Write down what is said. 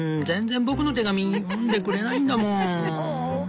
全然僕の手紙読んでくれないんだもん」。